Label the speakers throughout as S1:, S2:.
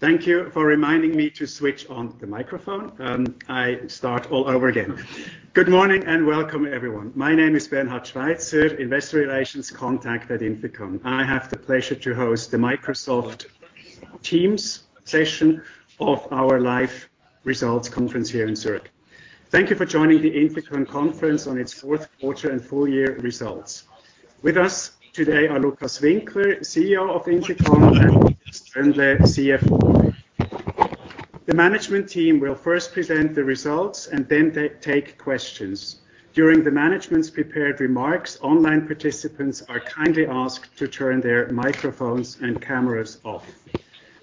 S1: Thank you for reminding me to switch on the microphone. I start all over again. Good morning, and welcome everyone. My name is Bernhard Schweizer, Investor Relations Contact at INFICON. I have the pleasure to host the Microsoft Teams session of our live results conference here in Zurich. Thank you for joining the INFICON conference on its fourth quarter and full year results. With us today are Lukas Winkler, CEO of INFICON, and Matthias Tröndle, CFO. The management team will first present the results and then take questions. During the management's prepared remarks, online participants are kindly asked to turn their microphones and cameras off.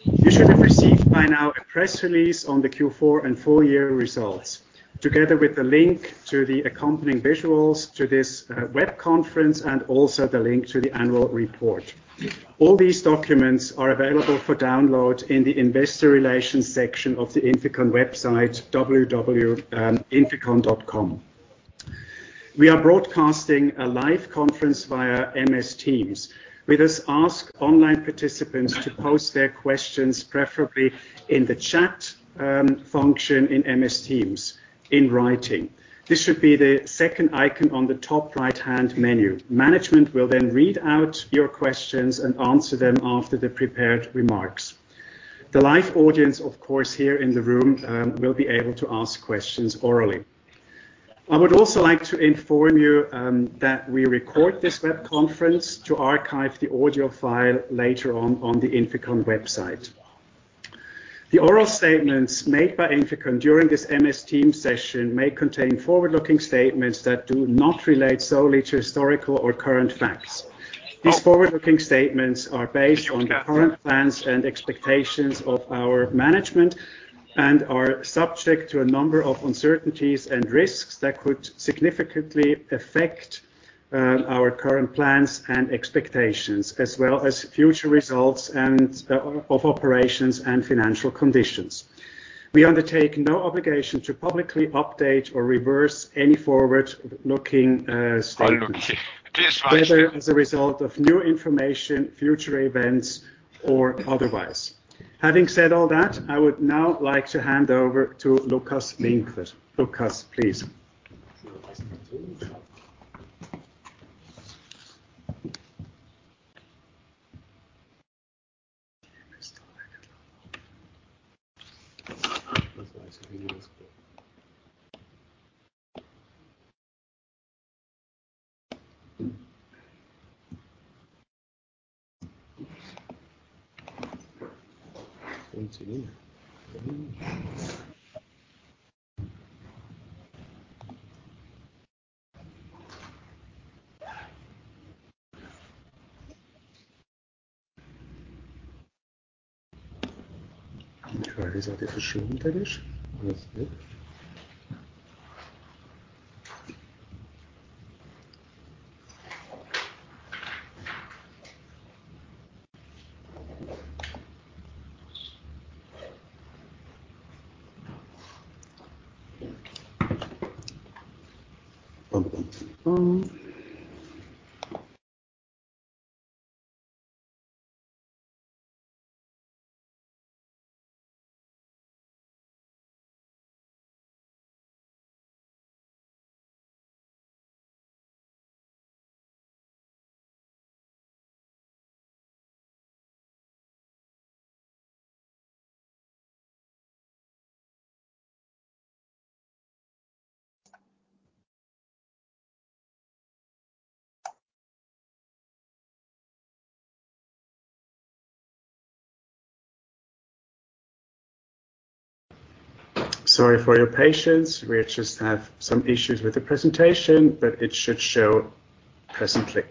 S1: You should have received by now a press release on the Q4 and full year results, together with the link to the accompanying visuals to this web conference, and also the link to the annual report. All these documents are available for download in the investor relations section of the INFICON website, www.inficon.com. We are broadcasting a live conference via Microsoft Teams. We just ask online participants to post their questions preferably in the chat function in Microsoft Teams in writing. This should be the second icon on the top right-hand menu. Management will then read out your questions and answer them after the prepared remarks. The live audience, of course, here in the room, will be able to ask questions orally. I would also like to inform you that we record this web conference to archive the audio file later on the INFICON website. The oral statements made by INFICON during this Microsoft Teams session may contain forward-looking statements that do not relate solely to historical or current facts. These forward-looking statements are based on the current plans and expectations of our management and are subject to a number of uncertainties and risks that could significantly affect our current plans and expectations, as well as future results of operations and financial conditions. We undertake no obligation to publicly update or revise any forward-looking statements.
S2: Hallo. Bernhard Schweizer
S1: whether as a result of new information, future events, or otherwise. Having said all that, I would now like to hand over to Lukas Winkler. Lukas, please. Thank you for your patience. We just have some issues with the presentation, but it should show presently.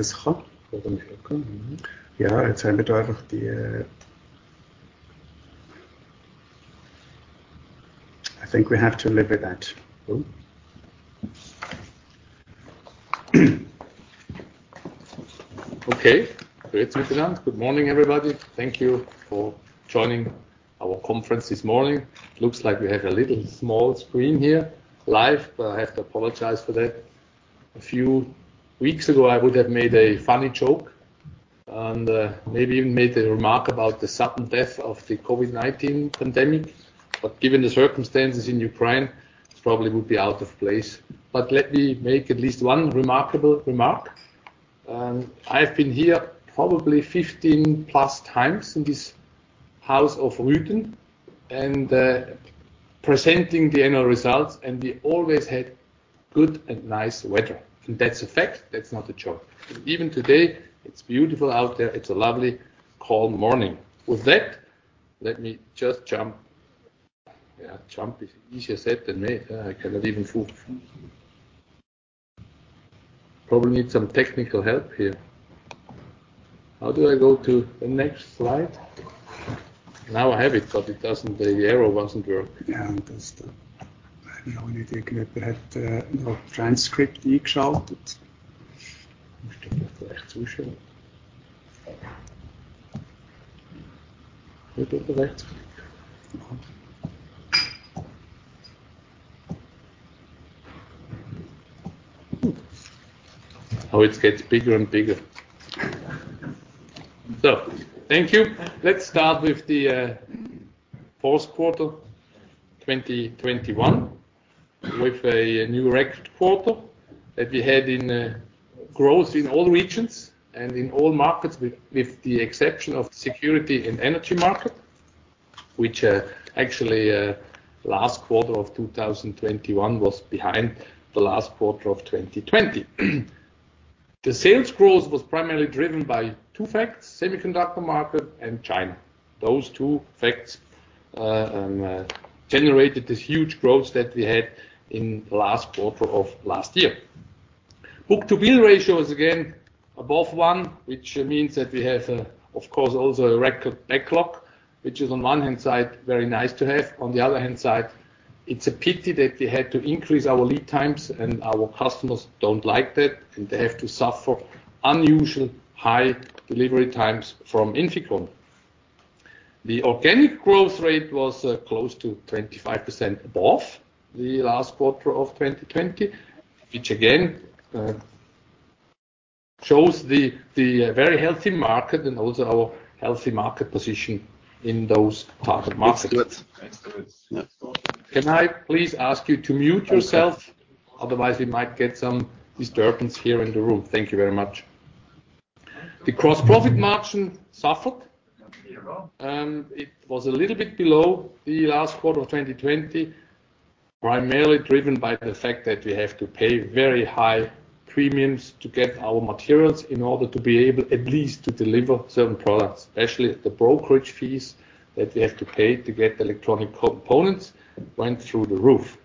S1: I think we have to live with that.
S2: Good morning, everybody. Thank you for joining our conference this morning. Looks like we have a little small screen here live. I have to apologize for that. A few weeks ago, I would have made a funny joke and maybe even made a remark about the sudden death of the COVID-19 pandemic. Given the circumstances in Ukraine, it probably would be out of place. Let me make at least one remarkable remark. I've been here probably 15x+ in this Haus zum Rüden, presenting the annual results, and we always had good and nice weather. That's a fact. That's not a joke. Even today, it's beautiful out there. It's a lovely, calm morning. With that, let me just jump. Yeah, jump is easier said than done. I cannot even move. Probably need some technical help here. How do I go to the next slide? Now I have it, but it doesn't, the arrow wasn't working.
S3: Yeah, that's.
S2: Oh, it gets bigger and bigger. Thank you. Let's start with the fourth quarter 2021, with a new record quarter that we had in growth in all regions and in all markets, with the exception of security and energy market, which actually last quarter of 2021 was behind the last quarter of 2020. The sales growth was primarily driven by two facts, semiconductor market and China. Those two facts generated this huge growth that we had in the last quarter of last year. Book-to-bill ratio is again above one, which means that we have, of course, also a record backlog, which is on one hand, very nice to have. On the other hand side, it's a pity that we had to increase our lead times, and our customers don't like that, and they have to suffer unusual high delivery times from INFICON. The organic growth rate was close to 25% above the last quarter of 2020, which again shows the very healthy market and also our healthy market position in those target markets.
S3: It's good. Yeah.
S2: Can I please ask you to mute yourself? Otherwise, we might get some disturbance here in the room. Thank you very much. The gross profit margin suffered. It was a little bit below the last quarter of 2020, primarily driven by the fact that we have to pay very high premiums to get our materials in order to be able, at least, to deliver certain products, especially the brokerage fees that we have to pay to get electronic components went through the roof.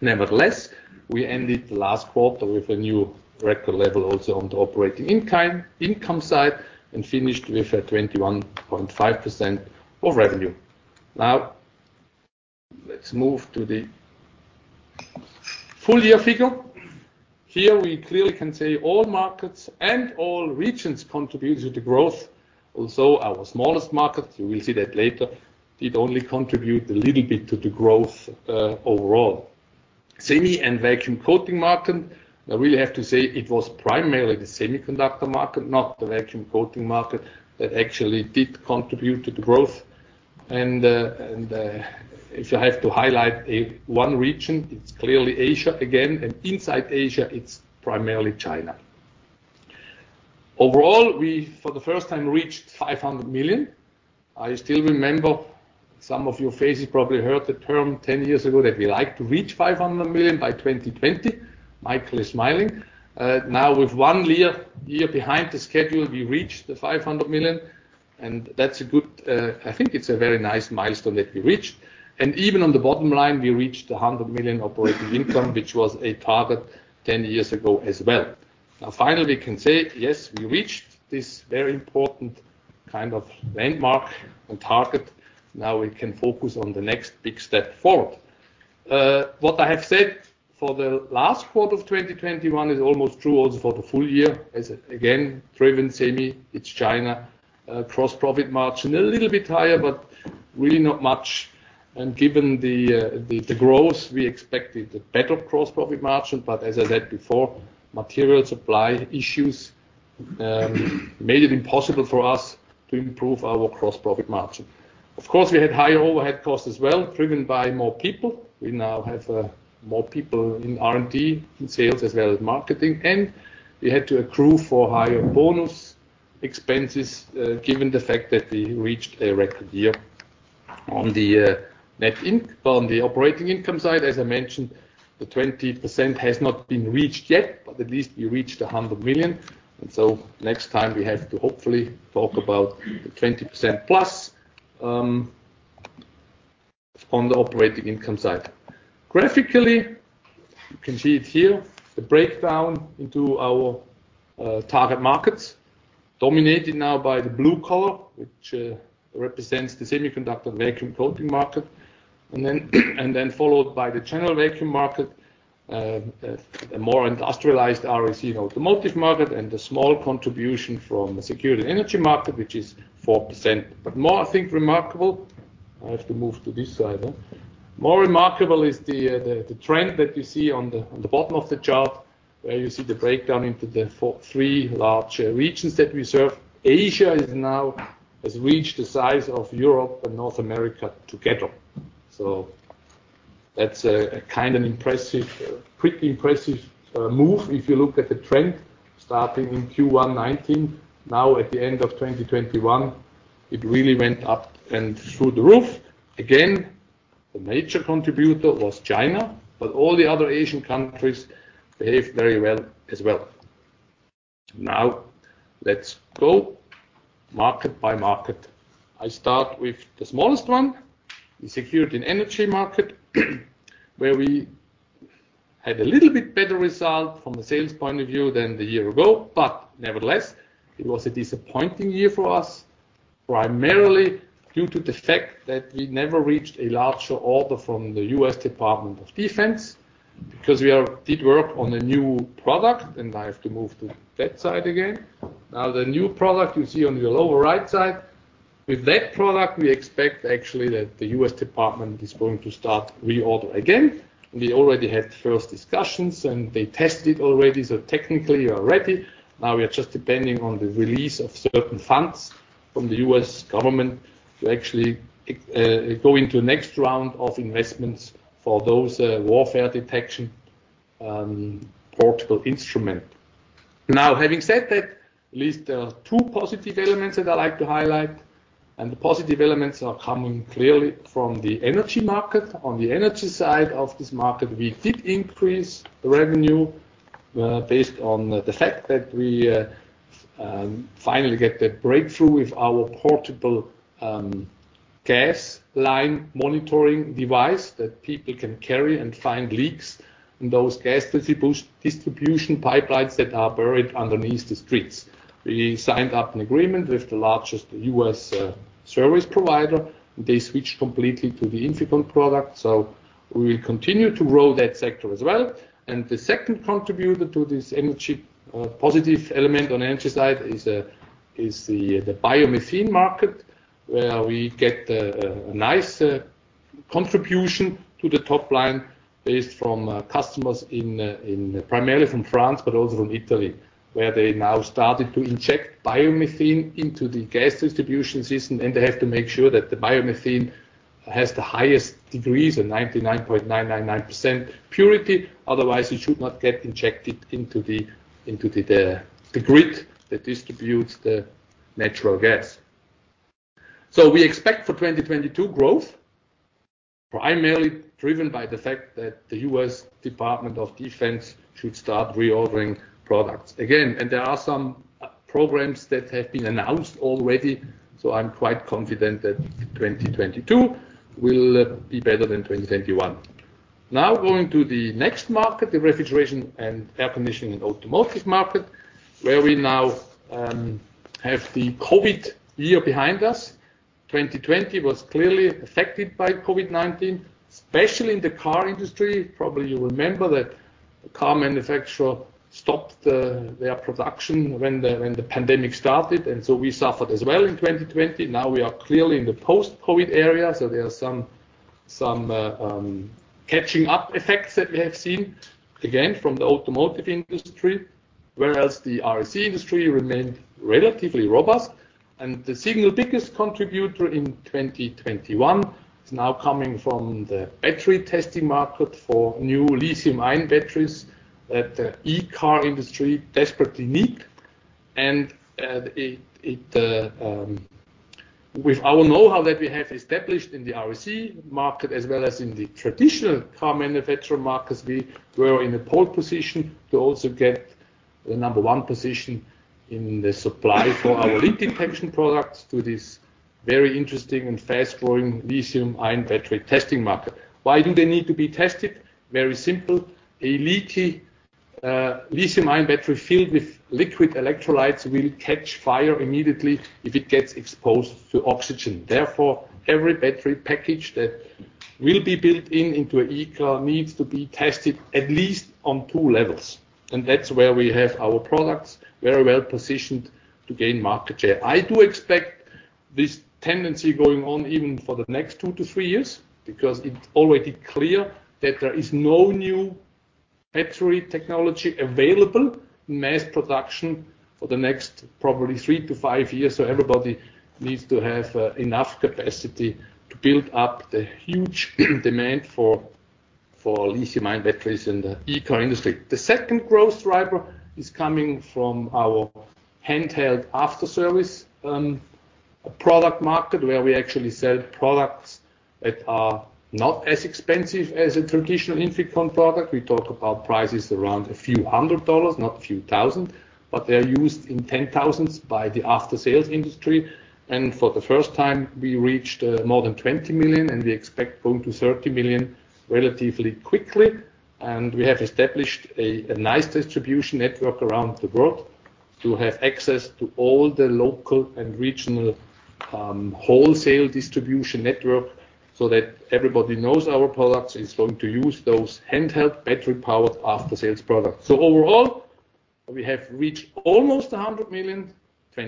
S2: Nevertheless, we ended the last quarter with a new record level also on the operating income side and finished with a 21.5% of revenue. Now, let's move to the full-year figure. Here we clearly can say all markets and all regions contributed to growth. Our smallest market, you will see that later, did only contribute a little bit to the growth, overall. Semi and vacuum coating market, I really have to say it was primarily the semiconductor market, not the vacuum coating market, that actually did contribute to the growth. If you have to highlight one region, it's clearly Asia again, and inside Asia, it's primarily China. Overall, we for the first time reached 500 million. I still remember some of your faces probably heard the term 10 years ago that we like to reach 500 million by 2020. Michael is smiling. Now with one year behind the schedule, we reached the 500 million, and that's a good, I think it's a very nice milestone that we reached. Even on the bottom line, we reached $100 million operating income, which was a target 10 years ago as well. Now finally, we can say, yes, we reached this very important kind of landmark and target. Now we can focus on the next big step forward. What I have said for the last quarter of 2021 is almost true also for the full year. Again, driven semi, it's China. Gross profit margin, a little bit higher, but really not much. Given the growth, we expected a better gross profit margin. But as I said before, material supply issues made it impossible for us to improve our gross profit margin. Of course, we had higher overhead costs as well, driven by more people. We now have more people in R&D and sales as well as marketing. We had to accrue for higher bonus expenses, given the fact that we reached a record year. On the operating income side, as I mentioned, the 20% has not been reached yet, but at least we reached $100 million. Next time we have to hopefully talk about the 20% plus, on the operating income side. Graphically, you can see it here, the breakdown into our target markets, dominated now by the blue color, which represents the semiconductor vacuum coating market, and then followed by the general vacuum market, a more industrialized R&AC automotive market, and the small contribution from the security energy market, which is 4%. But more, I think, remarkable, I have to move to this side, huh? More remarkable is the trend that you see on the bottom of the chart, where you see the breakdown into the three large regions that we serve. Asia now has reached the size of Europe and North America together. That's a kind of impressive, pretty impressive move if you look at the trend starting in Q1 2019. Now at the end of 2021, it really went up and through the roof. Again, the major contributor was China, but all the other Asian countries behaved very well as well. Now let's go market by market. I start with the smallest one, the security and energy market, where we had a little bit better result from a sales point of view than the year ago. Nevertheless, it was a disappointing year for us, primarily due to the fact that we never reached a larger order from the U.S. Department of Defense because we did work on a new product, and I have to move to that side again. Now, the new product you see on the lower right side. With that product, we expect actually that the U.S. Department is going to start reorder again. We already had first discussions, and they tested already, so technically we are ready. Now we are just depending on the release of certain funds from the U.S. government to actually go into next round of investments for those warfare detection portable instrument. Now, having said that, at least there are two positive elements that I like to highlight, and the positive elements are coming clearly from the energy market. On the energy side of this market, we did increase revenue based on the fact that we finally get the breakthrough with our portable gas line monitoring device that people can carry and find leaks in those gas distribution pipelines that are buried underneath the streets. We signed up an agreement with the largest U.S. service provider. They switched completely to the INFICON product, so we will continue to grow that sector as well. The second contributor to this energy positive element on energy side is the biomethane market, where we get a nice contribution to the top line based from customers in primarily from France, but also from Italy, where they now started to inject biomethane into the gas distribution system. They have to make sure that the biomethane has the highest degrees of 99.999% purity. Otherwise, it should not get injected into the grid that distributes the natural gas. We expect for 2022 growth, primarily driven by the fact that the U.S. Department of Defense should start reordering products again. There are some programs that have been announced already. I'm quite confident that 2022 will be better than 2021. Now going to the next market, the refrigeration and air conditioning automotive market, where we now have the COVID year behind us. 2020 was clearly affected by COVID-19, especially in the car industry. Probably you remember that the car manufacturer stopped their production when the pandemic started, and so we suffered as well in 2020. Now we are clearly in the post-COVID era, so there are some catching up effects that we have seen, again from the automotive industry, whereas the R&AC industry remained relatively robust. The single biggest contributor in 2021 is now coming from the battery testing market for new lithium-ion batteries that the eCar industry desperately need. With our know-how that we have established in the R&AC market as well as in the traditional car manufacturer markets, we were in a pole position to also get the number one position in the supply for our leak detection products to this very interesting and fast-growing lithium-ion battery testing market. Why do they need to be tested? Very simple. A leaky lithium-ion battery filled with liquid electrolytes will catch fire immediately if it gets exposed to oxygen. Therefore, every battery package that will be built into an eCar needs to be tested at least on two levels, and that's where we have our products very well positioned to gain market share. I do expect this tendency going on even for the next two-three years because it's already clear that there is no new battery technology available, mass production for the next probably three-five years. Everybody needs to have enough capacity to build up the huge demand for lithium-ion batteries in the eCar industry. The second growth driver is coming from our handheld after-service product market, where we actually sell products that are not as expensive as a traditional INFICON product. We talk about prices around a few hundred dollars, not a few thousand. They're used in 10,000s by the after-sales industry. For the first time, we reached more than $20 million, and we expect going to $30 million relatively quickly. We have established a nice distribution network around the world to have access to all the local and regional wholesale distribution network, so that everybody knows our products is going to use those handheld battery-powered after-sales products. Overall, we have reached almost $100 million in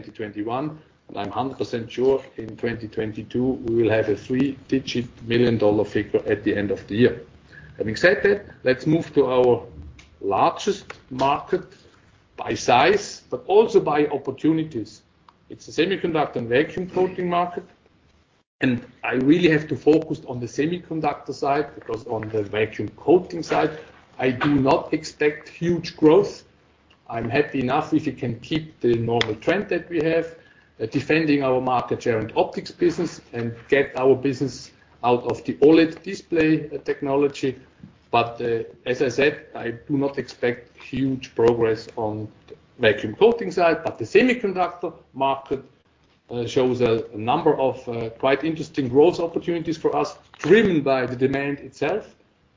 S2: 2021, and I'm 100% sure in 2022 we will have a three-digit million-dollar figure at the end of the year. Having said that, let's move to our largest market by size but also by opportunities. It's the semiconductor and vacuum coating market. I really have to focus on the semiconductor side because on the vacuum coating side, I do not expect huge growth. I'm happy enough if we can keep the normal trend that we have, defending our market share and optics business and get our business out of the OLED display technology. As I said, I do not expect huge progress on the vacuum coating side. The semiconductor market shows a number of quite interesting growth opportunities for us, driven by the demand itself,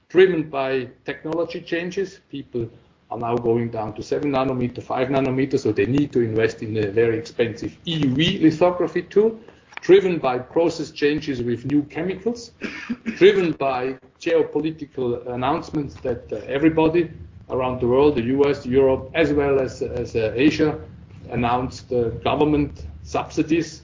S2: driven by technology changes. People are now going down to 7 nm, 5 nm, so they need to invest in a very expensive EUV lithography tool. Driven by process changes with new chemicals. Driven by geopolitical announcements that everybody around the world, the U.S., Europe, as well as Asia, announced government subsidies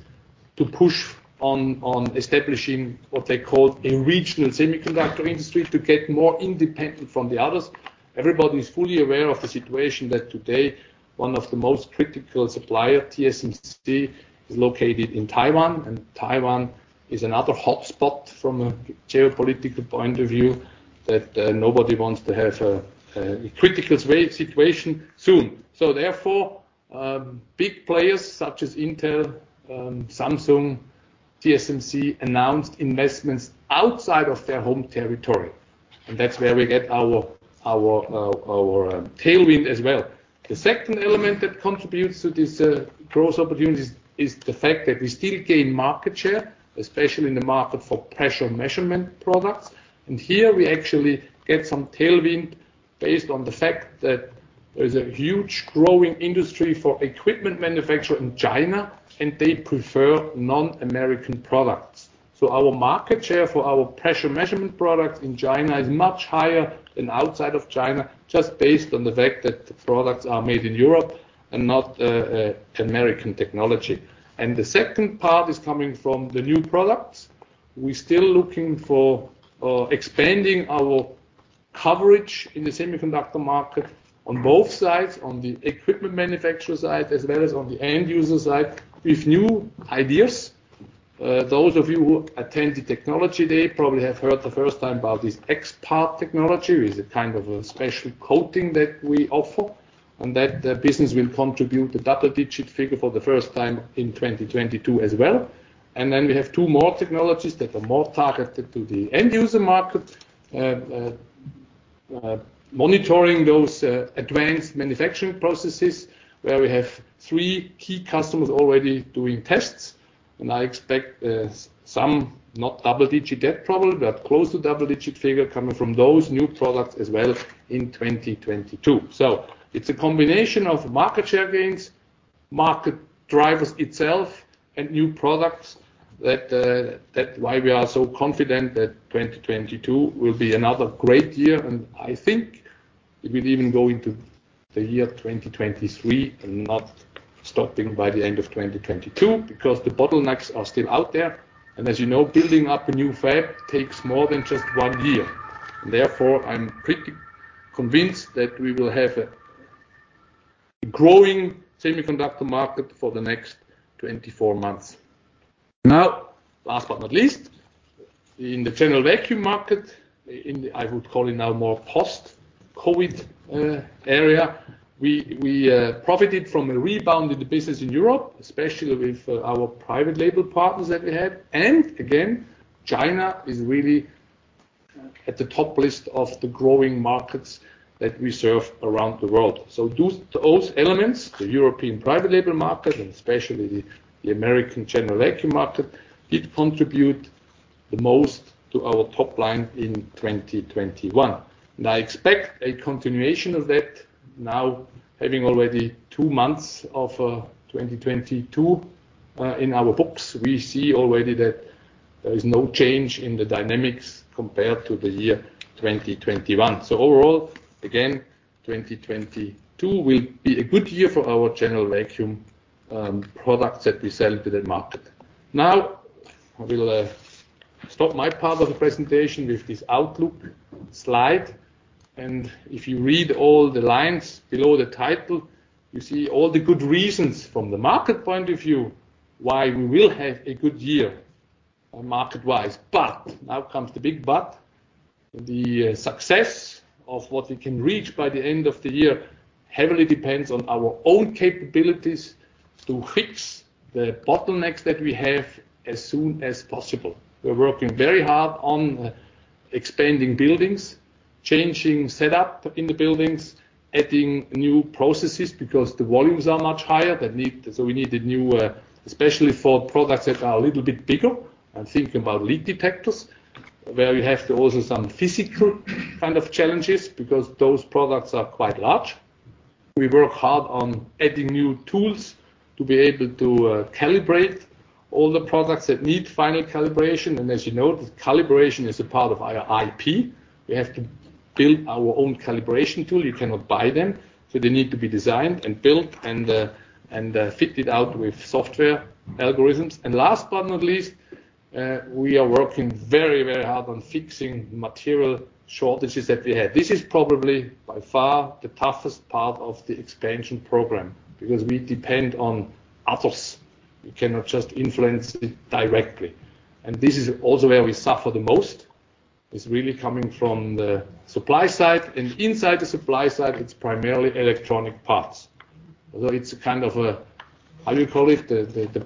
S2: to push on establishing what they call a regional semiconductor industry to get more independent from the others. Everybody is fully aware of the situation that today, one of the most critical supplier, TSMC, is located in Taiwan, and Taiwan is another hotspot from a geopolitical point of view that nobody wants to have a critical strait situation soon. Therefore, big players such as Intel, Samsung, TSMC, announced investments outside of their home territory. That's where we get our tailwind as well. The second element that contributes to this growth opportunities is the fact that we still gain market share, especially in the market for pressure measurement products. Here, we actually get some tailwind based on the fact that there's a huge growing industry for equipment manufacture in China, and they prefer non-American products. Our market share for our pressure measurement products in China is much higher than outside of China, just based on the fact that the products are made in Europe and not American technology. The second part is coming from the new products. We're still looking for expanding our coverage in the semiconductor market on both sides, on the equipment manufacturer side, as well as on the end user side, with new ideas. Those of you who attend the technology day probably have heard the first time about this Expart technology, is a kind of a special coating that we offer. That business will contribute a double-digit figure for the first time in 2022 as well. Then we have two more technologies that are more targeted to the end user market. Monitoring those advanced manufacturing processes where we have three key customers already doing tests, and I expect some, not double-digit yet probably, but close to double-digit figure coming from those new products as well in 2022. It's a combination of market share gains, market drivers itself and new products that's why we are so confident that 2022 will be another great year. I think it will even go into the year 2023 and not stopping by the end of 2022, because the bottlenecks are still out there. As you know, building up a new fab takes more than just one year. Therefore, I'm pretty convinced that we will have a growing semiconductor market for the next 24 months. Now, last but not least, in the general vacuum market, I would call it now more post-COVID area, we profited from a rebound in the business in Europe, especially with our private label partners that we have. China is really at the top list of the growing markets that we serve around the world. Due to those elements, the European private label market and especially the American general vacuum market did contribute the most to our top line in 2021. I expect a continuation of that now having already two months of 2022 in our books. We see already that there is no change in the dynamics compared to the year 2021. Overall, again, 2022 will be a good year for our general vacuum products that we sell to the market. Now, I will stop my part of the presentation with this outlook slide. If you read all the lines below the title, you see all the good reasons from the market point of view, why we will have a good year, market-wise. Now comes the big but, the success of what we can reach by the end of the year heavily depends on our own capabilities to fix the bottlenecks that we have as soon as possible. We're working very hard on expanding buildings, changing setup in the buildings, adding new processes because the volumes are much higher. We need a new, especially for products that are a little bit bigger. I'm thinking about leak detectors, where you have to also some physical kind of challenges because those products are quite large. We work hard on adding new tools to be able to calibrate all the products that need final calibration. As you know, the calibration is a part of our IP. We have to build our own calibration tool. You cannot buy them. They need to be designed and built and fitted out with software algorithms. Last but not least, we are working very, very hard on fixing material shortages that we have. This is probably by far the toughest part of the expansion program because we depend on others. We cannot just influence it directly. This is also where we suffer the most, is really coming from the supply side. Inside the supply side, it's primarily electronic parts. Although it's kind of a how you call it? The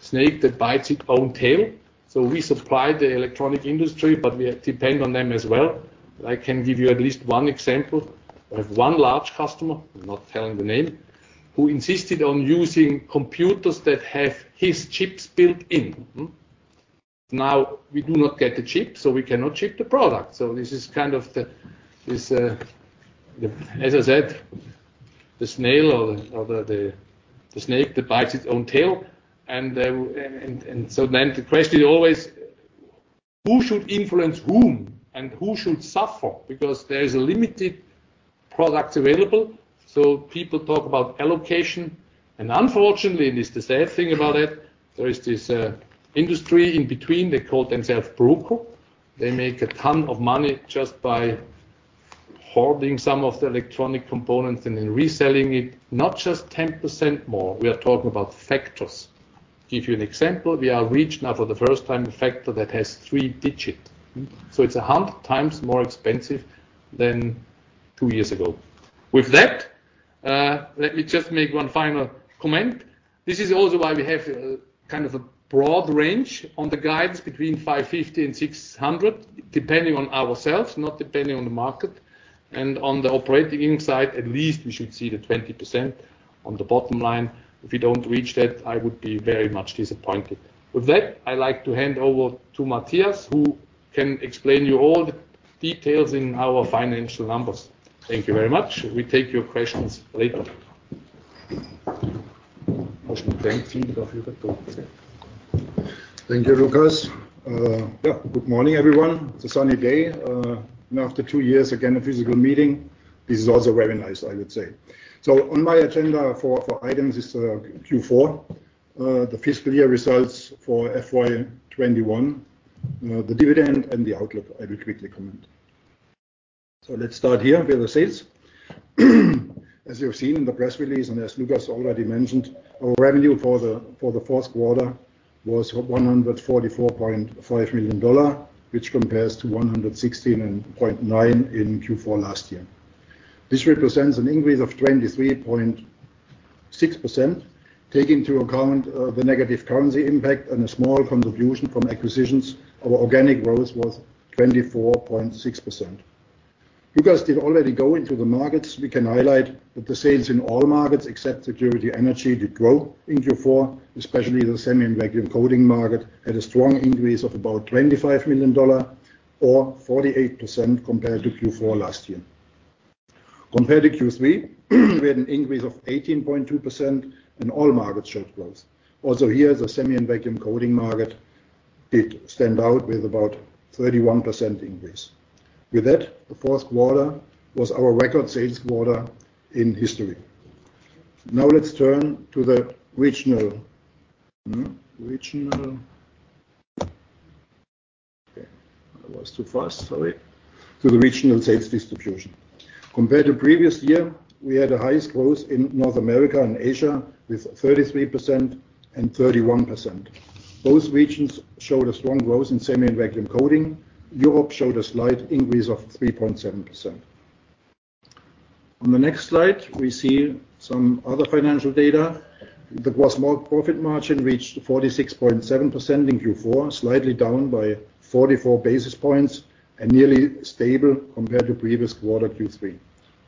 S2: snake that bites its own tail. We supply the electronics industry, but we depend on them as well. I can give you at least one example. I have one large customer, I'm not telling the name, who insisted on using computers that have his chips built in. Now, we do not get the chip, so we cannot ship the product. This is kind of the, this, the—as I said, the snail or the snake that bites its own tail. The question is always who should influence whom, and who should suffer? Because there is limited products available, so people talk about allocation. Unfortunately, it's the sad thing about it, there is this industry in between, they call themselves brokers. They make a ton of money just by hoarding some of the electronic components and then reselling it, not just 10% more. We are talking about factors. Give you an example, we have reached now for the first time a factor that has three-digit. So it's 100x more expensive than two years ago. With that, let me just make one final comment. This is also why we have kind of a broad range on the guides between $550 and $600, depending on ourselves, not depending on the market. On the operating side, at least we should see the 20% on the bottom line. If we don't reach that, I would be very much disappointed. With that, I'd like to hand over to Matthias, who can explain you all the details in our financial numbers. Thank you very much. We take your questions later.
S4: Thank you, Lukas. Yeah, good morning, everyone. It's a sunny day. After two years, again, a physical meeting. This is also very nice, I would say. On my agenda for items is Q4, the fiscal year results for FY 2021, the dividend, and the outlook. I will quickly comment. Let's start here with the sales. As you have seen in the press release, and as Lukas already mentioned, our revenue for the fourth quarter was $144.5 million, which compares to $116.9 million in Q4 last year. This represents an increase of 23.6%. Taking into account the negative currency impact and a small contribution from acquisitions, our organic growth was 24.6%. Lukas did already go into the markets. We can highlight that the sales in all markets except Security Energy did grow in Q4, especially the Semi and Vacuum Coating market had a strong increase of about $25 million or 48% compared to Q4 last year. Compared to Q3, we had an increase of 18.2%, and all markets showed growth. Also here, the Semi and Vacuum Coating market did stand out with about 31% increase. With that, the fourth quarter was our record sales quarter in history. Now let's turn to the regional sales distribution. Compared to previous year, we had the highest growth in North America and Asia, with 33% and 31%. Both regions showed a strong growth in Semi and Vacuum Coating. Europe showed a slight increase of 3.7%. On the next slide, we see some other financial data. The gross profit margin reached 46.7% in Q4, slightly down by 44 basis points and nearly stable compared to previous quarter, Q3.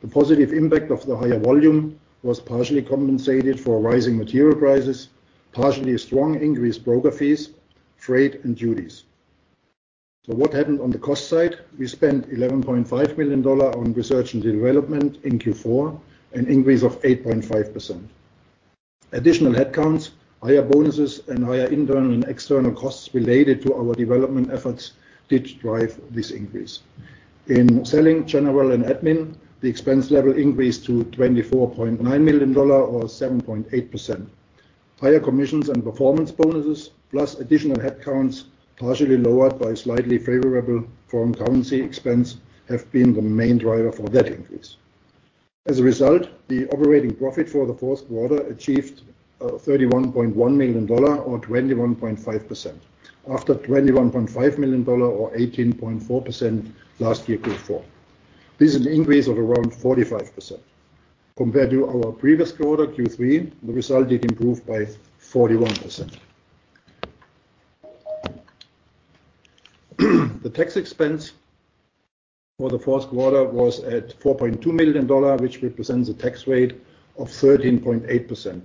S4: The positive impact of the higher volume was partially offset by rising material prices and strongly increased broker fees, freight, and duties. What happened on the cost side? We spent $11.5 million on research and development in Q4, an increase of 8.5%. Additional headcounts, higher bonuses, and higher internal and external costs related to our development efforts did drive this increase. In selling, general, and admin, the expense level increased to $24.9 million or 7.8%. Higher commissions and performance bonuses, plus additional headcounts, partially lowered by slightly favorable foreign currency expense, have been the main driver for that increase. As a result, the operating profit for the fourth quarter achieved 31.1 million dollars or 21.5%, after 21.5 million dollars or 18.4% last year, Q4. This is an increase of around 45%. Compared to our previous quarter, Q3, the result did improve by 41%. The tax expense for the fourth quarter was at 4.2 million dollars, which represents a tax rate of 13.8%,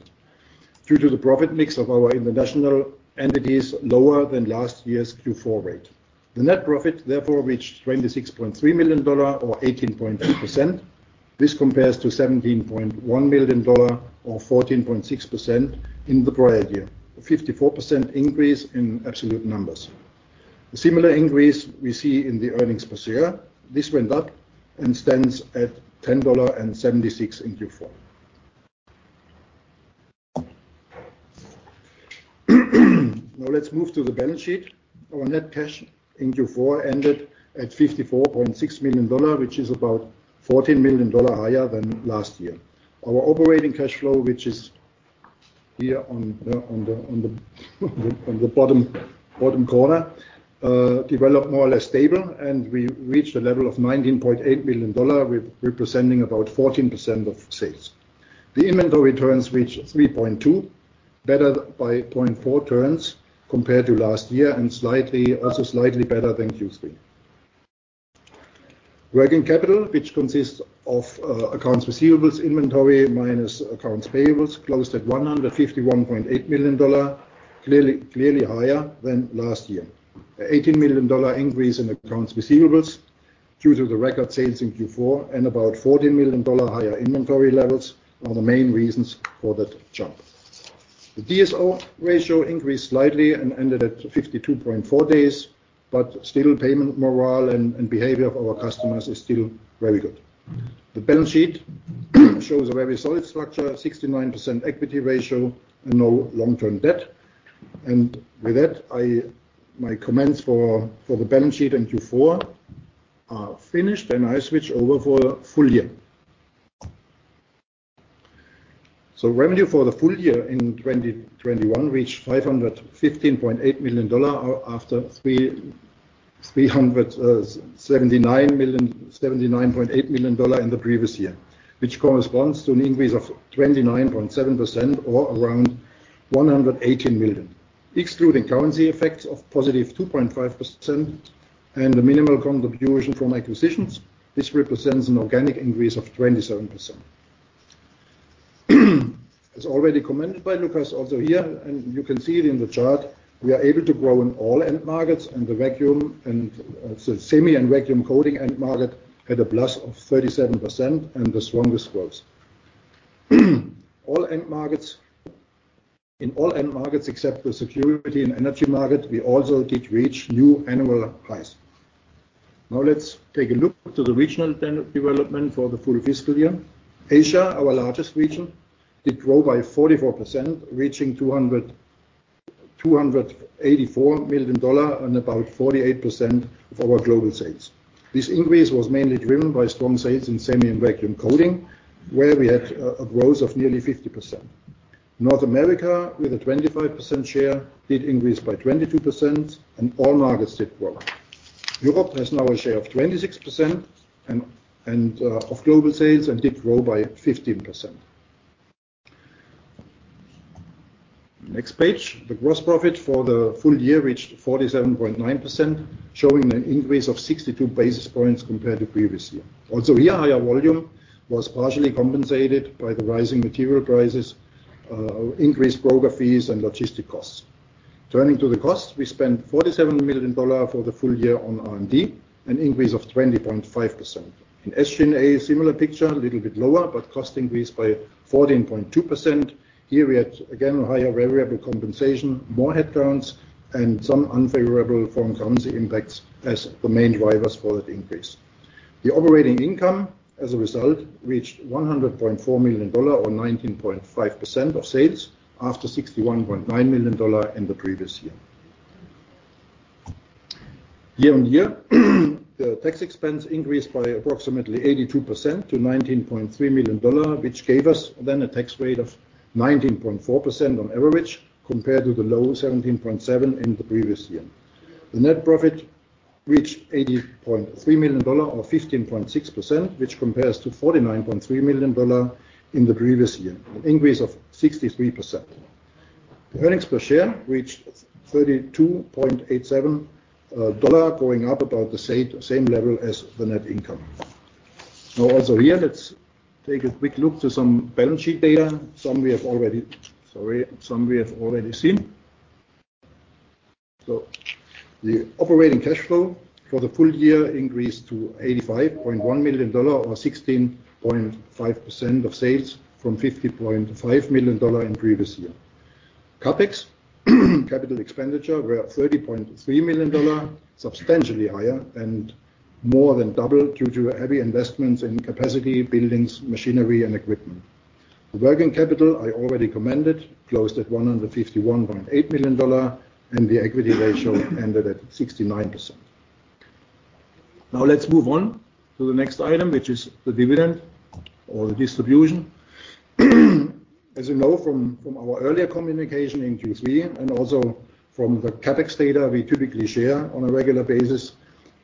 S4: due to the profit mix of our international entities lower than last year's Q4 rate. The net profit therefore reached 26.3 million dollars or 18.2%. This compares to 17.1 million dollars or 14.6% in the prior year. A 54% increase in absolute numbers. A similar increase we see in the earnings per share. This went up and stands at $10.76 in Q4. Now let's move to the balance sheet. Our net cash in Q4 ended at $54.6 million, which is about $14 million higher than last year. Our operating cash flow, which is here on the bottom corner, developed more or less stable, and we reached a level of $19.8 million, representing about 14% of sales. The inventory turns reached 3.2, better by 0.4 turns compared to last year, and slightly better than Q3. Working capital, which consists of accounts receivables, inventory, minus accounts payables, closed at $151.8 million, clearly higher than last year. $18 million increase in accounts receivables due to the record sales in Q4 and about $40 million higher inventory levels are the main reasons for that jump. The DSO ratio increased slightly and ended at 52.4 days, but still payment morale and behavior of our customers is still very good. The balance sheet shows a very solid structure, 69% equity ratio and no long-term debt. With that, my comments for the balance sheet in Q4 are finished, and I switch over for full year. Revenue for the full year in 2021 reached $515.8 million, after $379.8 million in the previous year, which corresponds to an increase of 29.7% or around $118 million. Excluding currency effects of +2.5% and the minimal contribution from acquisitions, this represents an organic increase of 27%. As already commented by Lukas also here, and you can see it in the chart, we are able to grow in all end markets and the vacuum and, so semi and vacuum coating end market had a plus of 37% and the strongest growth. All end markets. In all end markets except the security and energy market, we also did reach new annual highs. Now let's take a look at the regional development for the full fiscal year. Asia, our largest region, did grow by 44%, reaching $284 million and about 48% of our global sales. This increase was mainly driven by strong sales in semi and vacuum coating, where we had a growth of nearly 50%. North America, with a 25% share, did increase by 22% and all markets did grow. Europe has now a share of 26% and of global sales and did grow by 15%. Next page, the gross profit for the full year reached 47.9%, showing an increase of 62 basis points compared to previous year. Also here, higher volume was partially compensated by the rising material prices, increased broker fees and logistic costs. Turning to the costs, we spent $47 million for the full year on R&D, an increase of 20.5%. In SG&A, similar picture, a little bit lower, but cost increased by 14.2%. Here we had, again, a higher variable compensation, more headwinds and some unfavorable foreign currency impacts as the main drivers for that increase. The operating income, as a result, reached $100.4 million or 19.5% of sales, after $61.9 million in the previous year. Year-on-year, the tax expense increased by approximately 82% to $19.3 million, which gave us then a tax rate of 19.4% on average, compared to the low 17.7% in the previous year. The net profit reached $80.3 million or 15.6%, which compares to $49.3 million in the previous year, an increase of 63%. The earnings per share reached $32.87, going up about the same level as the net income. Now, also here, let's take a quick look at some balance sheet data. Some we have already seen. The operating cash flow for the full year increased to $85.1 million or 16.5% of sales from $50.5 million in previous year. CapEx, capital expenditure, were at $30.3 million, substantially higher and more than double due to heavy investments in capacity, buildings, machinery and equipment. The working capital I already commented closed at $151.8 million, and the equity ratio ended at 69%. Now let's move on to the next item, which is the dividend or the distribution. As you know from our earlier communication in Q3 and also from the CapEx data we typically share on a regular basis,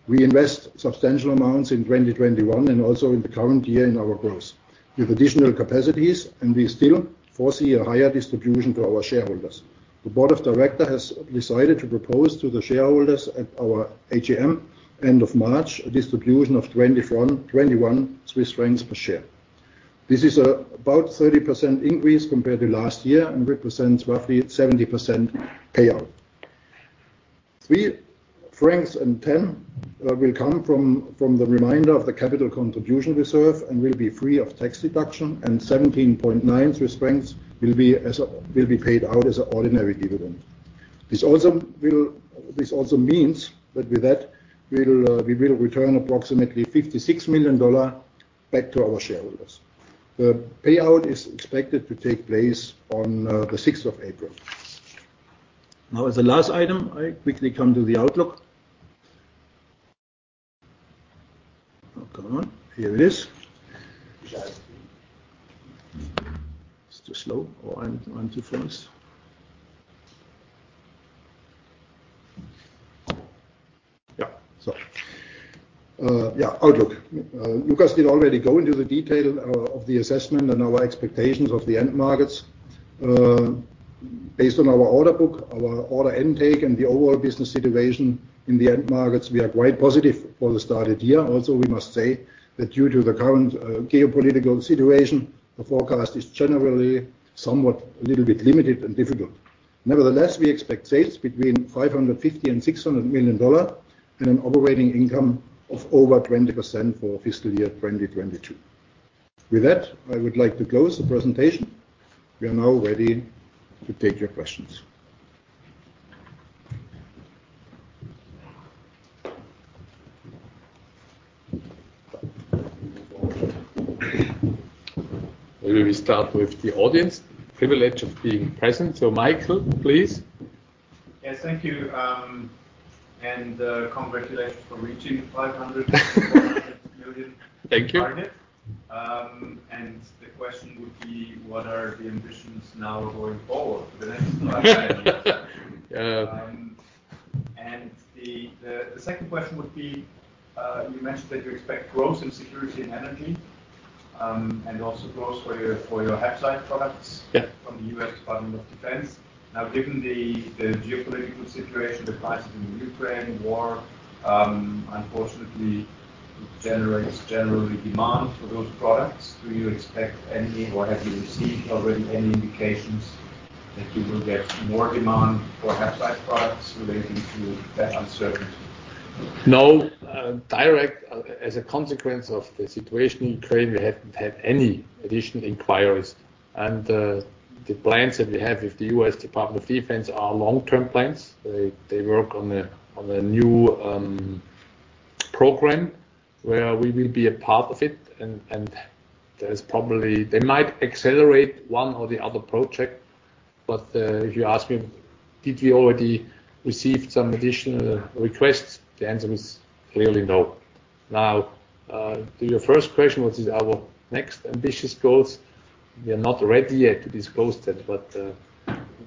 S4: we invest substantial amounts in 2021 and also in the current year in our growth with additional capacities and we still foresee a higher distribution to our shareholders. The Board of Directors has decided to propose to the shareholders at our AGM end of March a distribution of 21 Swiss francs per share. This is about 30% increase compared to last year and represents roughly 70% payout. 3.10 francs will come from the remainder of the capital contribution reserve and will be free of tax deduction, and 17.9 will be paid out as an ordinary dividend. This also means that with that, we will return approximately $56 million back to our shareholders. The payout is expected to take place on the sixth of April. Now, as a last item, I quickly come to the outlook. Hold on. Here it is. It's too slow or I'm too fast. Outlook. Lukas did already go into the detail of the assessment and our expectations of the end markets. Based on our order book, our order intake, and the overall business situation in the end markets, we are quite positive for the start of the year. Also, we must say that due to the current geopolitical situation, the forecast is generally somewhat a little bit limited and difficult. Nevertheless, we expect sales between $550 million and $600 million and an operating income of over 20% for fiscal year 2022. With that, I would like to close the presentation. We are now ready to take your questions. Maybe we start with the audience privilege of being present. Michael, please.
S3: Yes. Thank you. Congratulations for reaching $500 million.
S2: Thank you.
S3: The question would be: What are the ambitions now going forward for the next five years?
S2: Yeah.
S3: The second question would be, you mentioned that you expect growth in security and energy, and also growth for your HAPSITE products-
S2: Yeah
S3: From the U.S. Department of Defense. Now, given the geopolitical situation, the crisis in the Ukraine war unfortunately generates demand generally for those products. Do you expect any, or have you received already any indications that you will get more demand for HAPSITE products relating to that uncertainty?
S2: No, directly as a consequence of the situation in Ukraine, we haven't had any additional inquiries, and the plans that we have with the U.S. Department of Defense are long-term plans. They work on a new program where we will be a part of it and there's probably. They might accelerate one or the other project, but if you ask me, did we already receive some additional requests? The answer is clearly no. Now, to your first question, which is our next ambitious goals, we are not ready yet to disclose that, but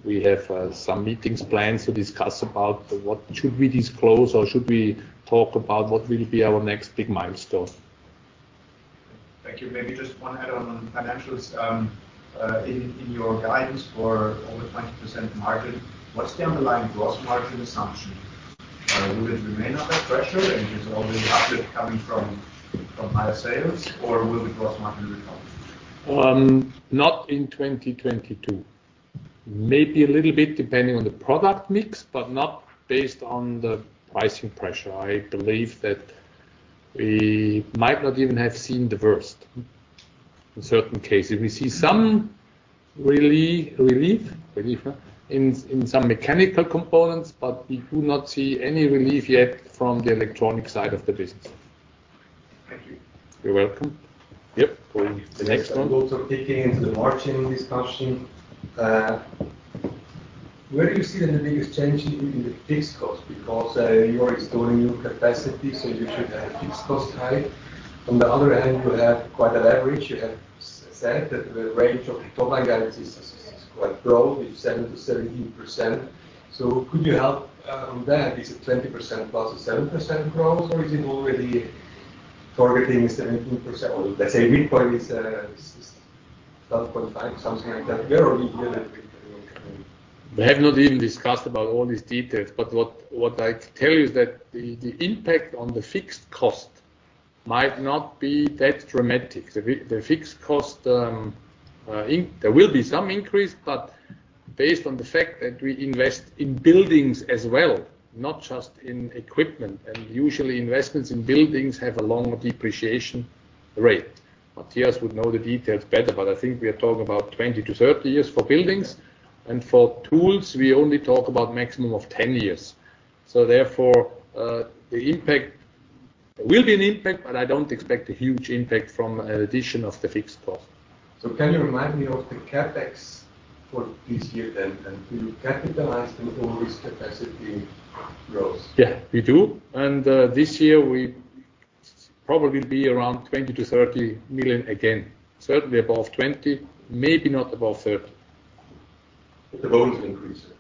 S2: we have some meetings planned to discuss about what should we disclose or should we talk about what will be our next big milestone.
S3: Thank you. Maybe just one add on on financials. In your guidance for over 20% margin, what's the underlying gross margin assumption? Will it remain under pressure, and is all the uplift coming from higher sales, or will the gross margin recover?
S2: Not in 2022. Maybe a little bit depending on the product mix, but not based on the pricing pressure. I believe that we might not even have seen the worst in certain cases. We see some relief, yeah, in some mechanical components, but we do not see any relief yet from the electronic side of the business.
S3: Thank you.
S2: You're welcome. Yep. Going to the next one.
S3: Digging into the margin discussion, where do you see the biggest change in the fixed cost? Because you are installing new capacity, so you should have fixed cost high. On the other hand, you have quite an average. You have said that the range of total guidance is quite broad, with 7%-13%. Could you help on that? Is it 20%+ a 7% growth, or is it already targeting 17%? Or let's say midpoint is 12.5, something like that. Where are we here?
S2: We have not even discussed about all these details, but what I tell you is that the impact on the fixed cost might not be that dramatic. The fixed cost. There will be some increase, but based on the fact that we invest in buildings as well, not just in equipment, and usually investments in buildings have a longer depreciation rate. Matthias would know the details better, but I think we are talking about 20-30 years for buildings. For tools, we only talk about maximum of 10 years. Therefore, there will be an impact, but I don't expect a huge impact from an addition of the fixed cost.
S3: Can you remind me of the CapEx for this year then, and do you capitalize them on risk capacity growth?
S2: Yeah, we do. This year we probably be around 20 million-30 million again. Certainly above 20 million, maybe not above 30 million.
S3: The bonus increases.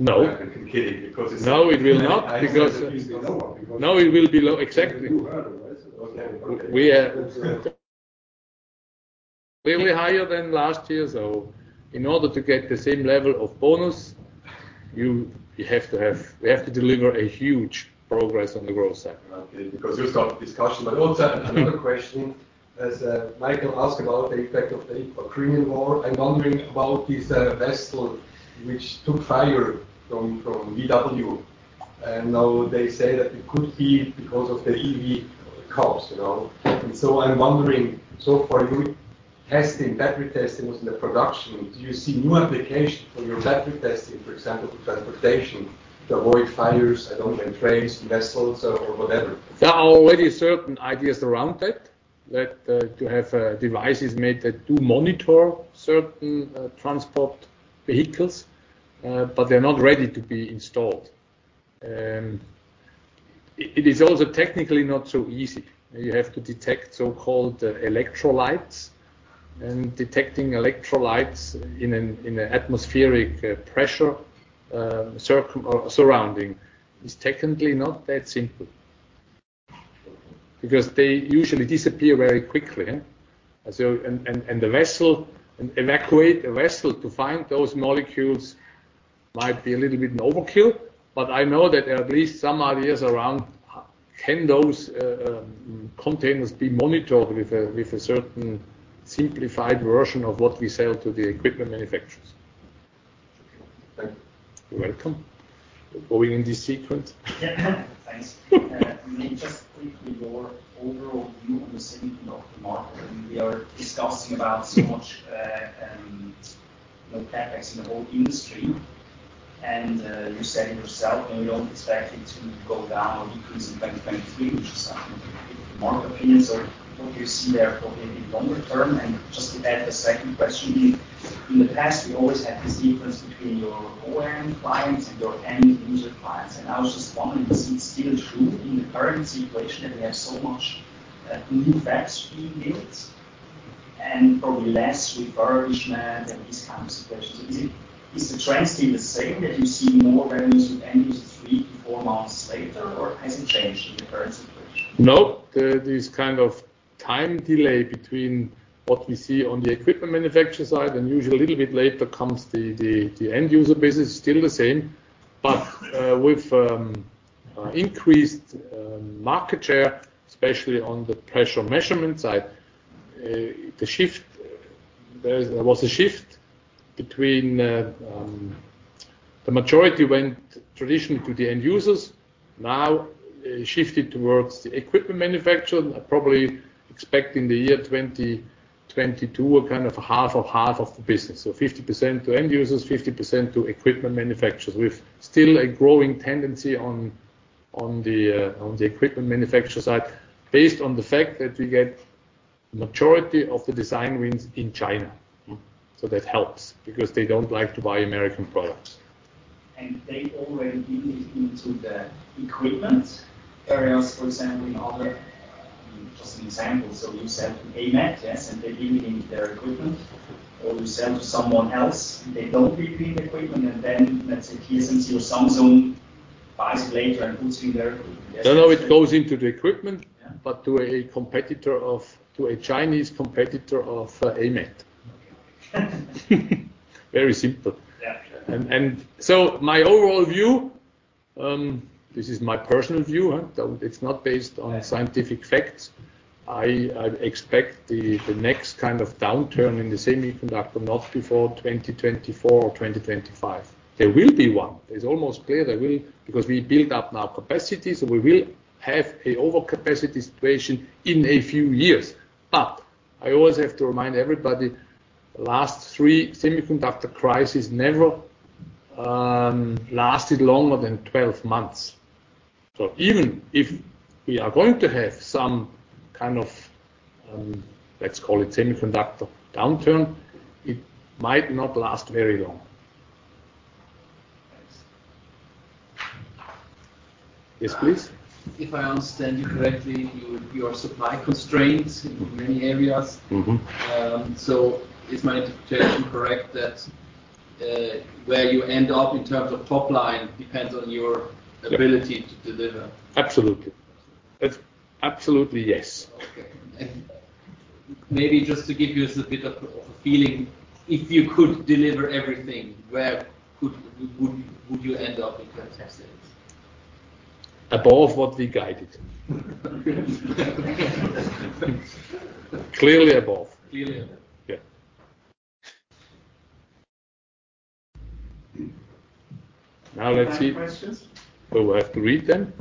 S2: No.
S3: I'm kidding because it's.
S2: No, it will not because.
S3: lower because
S2: No, it will be low. Exactly.
S3: You heard it, right? Okay.
S2: Way higher than last year, so in order to get the same level of bonus, we have to deliver a huge progress on the growth side.
S3: Okay. Because you start discussion. Also another question, as Michael asked about the effect of the Ukrainian war. I'm wondering about this vessel which caught fire from VW, and now they say that it could be because of the EV cars, you know. I'm wondering, so for your testing, battery testing was in the production. Do you see new application for your battery testing, for example, for transportation to avoid fires in trains, vessels or whatever?
S2: There are already certain ideas around that to have devices made that do monitor certain transport vehicles. They're not ready to be installed. It is also technically not so easy. You have to detect so-called electrolytes, and detecting electrolytes in an atmospheric pressure surrounding is technically not that simple because they usually disappear very quickly. To evacuate a vessel to find those molecules might be a little bit an overkill, but I know that there are at least some ideas around how those containers can be monitored with a certain simplified version of what we sell to the equipment manufacturers.
S3: Thank you.
S2: You're welcome. Going in this sequence.
S3: Yeah, thanks. Maybe just quickly, your overall view on the semiconductor market. I mean, we are discussing about so much, you know, CapEx in the whole industry and, you're saying yourself that you don't expect it to go down or decrease in 2023, which is something the market appears, or what you see, therefore, in the longer term. Just to add a second question, in the past we always had this difference between your OEM clients and your end user clients, and I was just wondering, is it still true in the current situation that we have so much, new fabs being built and probably less refurbishment and these kinds of questions. Is the trend still the same that you see more revenues with end users three-four months later, or has it changed in the current situation?
S2: No, this kind of time delay between what we see on the equipment manufacturer side and usually a little bit later comes the end user business still the same. With increased market share, especially on the pressure measurement side, there was a shift between the majority went traditionally to the end users, now shifted towards the equipment manufacturer, and probably expecting the year 2022, a kind of half of half of the business. 50% to end users, 50% to equipment manufacturers. With still a growing tendency on the equipment manufacturer side based on the fact that we get majority of the design wins in China.
S3: Mm-hmm.
S2: That helps because they don't like to buy American products.
S3: They already build it into the equipment areas, for example. Just an example, so you sell to AMAT, yes, and they build it into their equipment, or you sell to someone else and they don't build it into equipment and then let's say TSMC or Samsung buys it later and puts it in their equipment. Yes.
S2: No, no, it goes into the equipment.
S3: Yeah.
S2: to a Chinese competitor of AMAT.
S3: Okay.
S2: Very simple.
S3: Yeah.
S2: My overall view, this is my personal view, huh? It's not based on-
S3: Yeah.
S2: Scientific facts. I expect the next kind of downturn in the semiconductor not before 2024 or 2025. There will be one. It's almost clear there will because we built up now capacity, so we will have a overcapacity situation in a few years. I always have to remind everybody, last three semiconductor crisis never lasted longer than 12 months. Even if we are going to have some kind of, let's call it semiconductor downturn, it might not last very long.
S3: Thanks.
S2: Yes, please.
S3: If I understand you correctly, you are supply constrained in many areas.
S2: Mm-hmm.
S3: Is my interpretation correct that, where you end up in terms of top line depends on your ability-
S2: Yeah.
S3: to deliver?
S2: Absolutely, yes.
S3: Okay. Maybe just to give us a bit of a feeling, if you could deliver everything, where would you end up in 2026?
S2: Above what we guided. Clearly above.
S3: Clearly above.
S2: Yeah. Now let's see. Any more questions? Oh, I have to read them.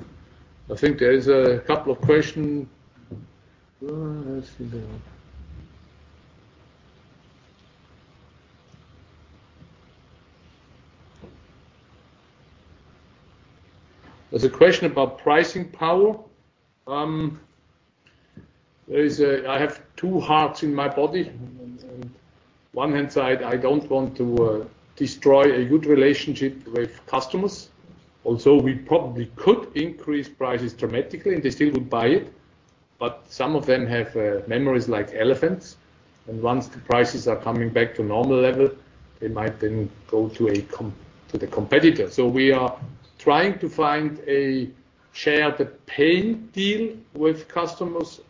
S2: I think there is a couple of question. Let's see there. There's a question about pricing power. I have two hearts in my body. On one hand, I don't want to destroy a good relationship with customers, although we probably could increase prices dramatically and they still would buy it. Some of them have memories like elephants, and once the prices are coming back to normal level, they might then go to the competitor. We are trying to find a share the pain deal with customers,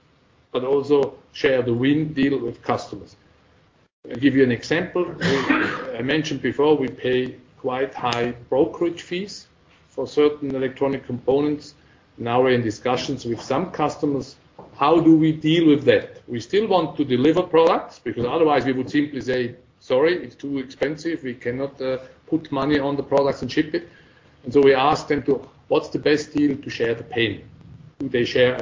S2: but also share the win deal with customers. I'll give you an example. I mentioned before, we pay quite high brokerage fees for certain electronic components. Now we're in discussions with some customers, how do we deal with that? We still want to deliver products because otherwise we would simply say, "Sorry, it's too expensive. We cannot put money on the products and ship it." We ask them, "What's the best deal to share the pain? Do they share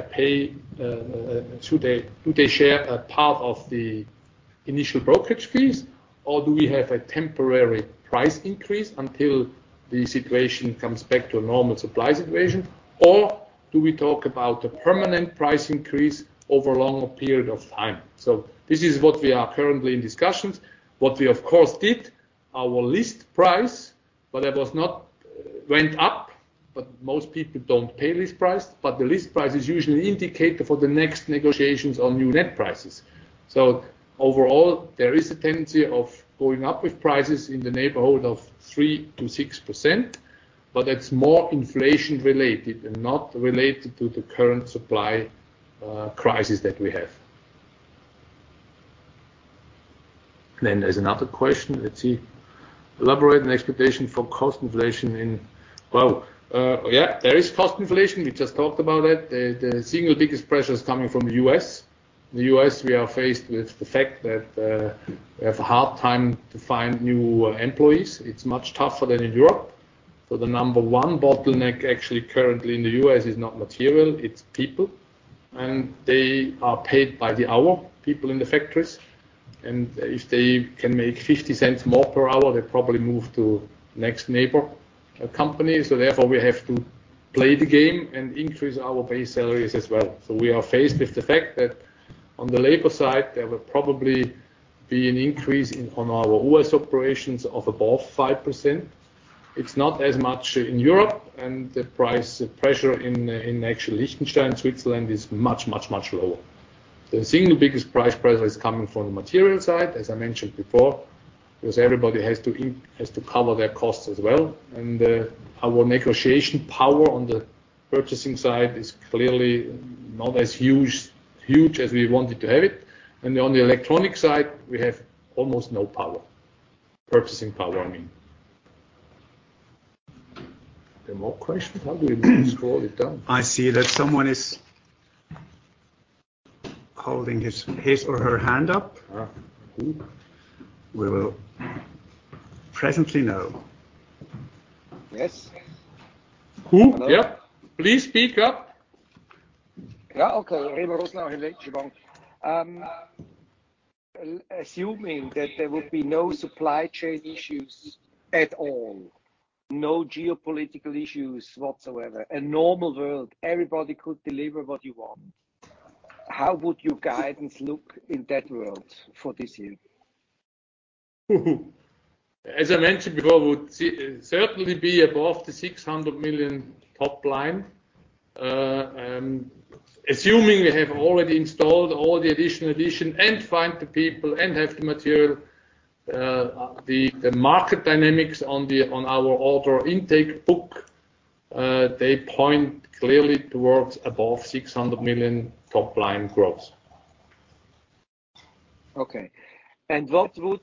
S2: a part of the initial brokerage fees, or do we have a temporary price increase until the situation comes back to a normal supply situation, or do we talk about a permanent price increase over a longer period of time?" This is what we are currently in discussions. What we, of course, did raise our list price, but it went up, but most people don't pay list price, but the list price is usually an indicator for the next negotiations on new net prices. Overall, there is a tendency of going up with prices in the neighborhood of 3%-6%, but it's more inflation related and not related to the current supply crisis that we have. There's another question. Let's see. Elaborate an expectation for cost inflation in. Well, yeah, there is cost inflation. We just talked about it. The single biggest pressure is coming from the U.S. The U.S., we are faced with the fact that we have a hard time to find new employees. It's much tougher than in Europe. The number one bottleneck actually currently in the U.S. is not material, it's people. They are paid by the hour, people in the factories. If they can make $0.50 more per hour, they probably move to next neighbor company. We have to play the game and increase our base salaries as well. We are faced with the fact that on the labor side, there will probably be an increase in our U.S. operations of above 5%. It's not as much in Europe, and the price pressure in actually Liechtenstein, Switzerland is much lower. The single biggest price pressure is coming from the material side, as I mentioned before, because everybody has to cover their costs as well. Our negotiation power on the purchasing side is clearly not as huge as we wanted to have it. On the electronic side, we have almost no power, purchasing power, I mean. Any more questions? How do we scroll it down?
S1: I see that someone is holding his or her hand up.
S2: Who?
S1: We will presently know.
S2: Yes. Who? Yep. Please speak up.
S5: Yeah. Okay. Remo Rosenau, Helvetische Bank. Assuming that there would be no supply chain issues at all, no geopolitical issues whatsoever, a normal world, everybody could deliver what you want, how would your guidance look in that world for this year?
S2: As I mentioned before, it would certainly be above $600 million top line. Assuming we have already installed all the additional addition and find the people and have the material, the market dynamics on our order intake book. They point clearly towards above $600 million top line growth.
S5: Okay. What would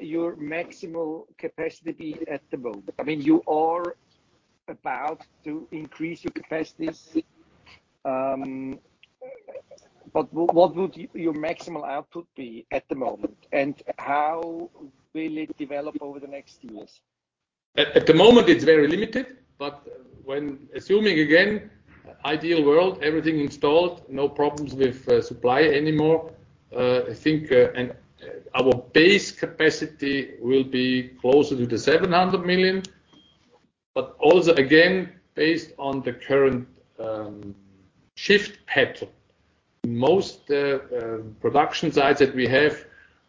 S5: your maximal capacity be at the moment? I mean, you are about to increase your capacities, but what would your maximal output be at the moment, and how will it develop over the next years?
S2: At the moment, it's very limited. Assuming again, ideal world, everything installed, no problems with supply anymore, I think, and our base capacity will be closer to $700 million. Also again, based on the current shift pattern. Most production sites that we have,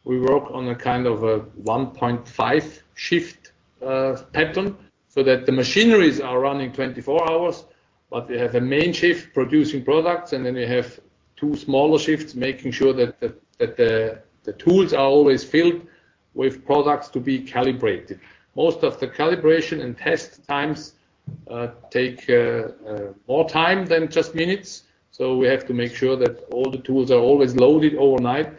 S2: we work on a kind of a 1.5 shift pattern, so that the machineries are running 24 hours, but they have a main shift producing products, and then they have two smaller shifts making sure that the tools are always filled with products to be calibrated. Most of the calibration and test times take more time than just minutes, so we have to make sure that all the tools are always loaded overnight.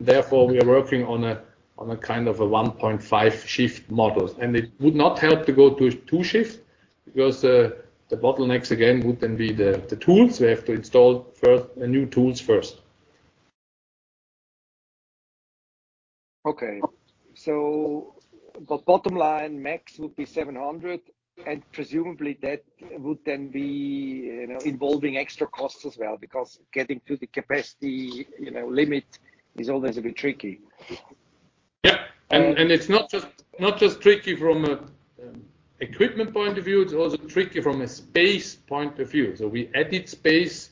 S2: Therefore, we are working on a kind of 1.5 shift model. It would not help to go to two shift because the bottlenecks again would then be the tools. We have to install new tools first.
S5: Okay. Bottom line, max would be 700, and presumably that would then be, you know, involving extra costs as well because getting to the capacity, you know, limit is always a bit tricky.
S2: It's not just tricky from a equipment point of view, it's also tricky from a space point of view. We added space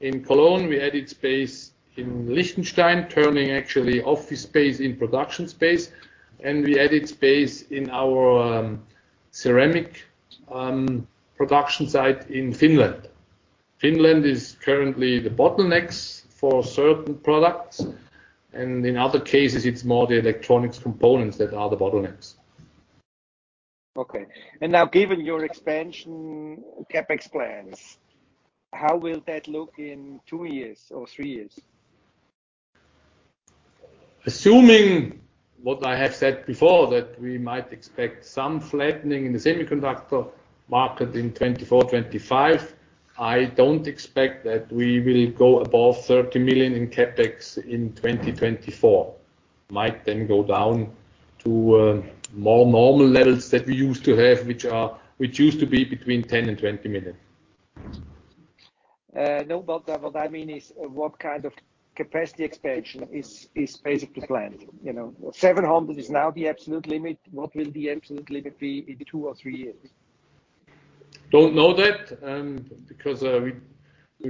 S2: in Cologne, we added space in Liechtenstein, turning actually office space in production space, and we added space in our ceramic production site in Finland. Finland is currently the bottlenecks for certain products, and in other cases it's more the electronics components that are the bottlenecks.
S5: Okay. Now given your expansion CapEx plans, how will that look in two years or three years?
S2: Assuming what I have said before, that we might expect some flattening in the semiconductor market in 2024, 2025, I don't expect that we will go above $30 million in CapEx in 2024. Might then go down to more normal levels that we used to have, which used to be between $10 million and $20 million.
S5: No, what I mean is what kind of capacity expansion is basically planned, you know. 700 is now the absolute limit. What will the absolute limit be in two or three years?
S2: don't know that because we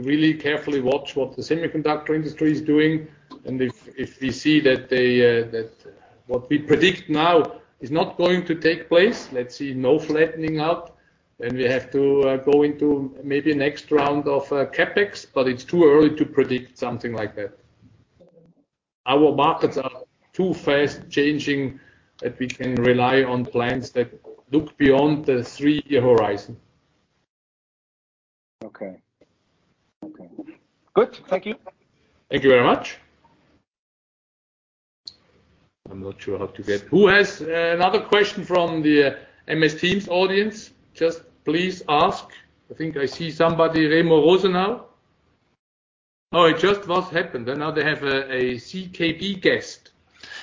S2: really carefully watch what the semiconductor industry is doing. If we see that what we predict now is not going to take place, let's see no flattening out, then we have to go into maybe next round of CapEx, but it's too early to predict something like that. Our markets are too fast-changing that we can rely on plans that look beyond the three-year horizon.
S5: Okay. Okay. Good. Thank you.
S2: Thank you very much. I'm not sure. Who has another question from the Microsoft Teams audience? Just please ask. I think I see somebody, Remo Rosenau. Oh, what just happened, and now they have a ZKB guest.